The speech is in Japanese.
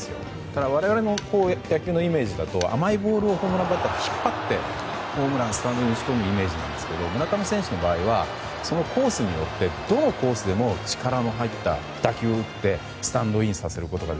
ただ、我々の野球のイメージだとホームランバッターは甘いボールを引っ張ってホームランスタンドに押し込むイメージですが村上選手の場合はそのコースによってどのコースでも力の入った打球を打ってスタンドインさせられる。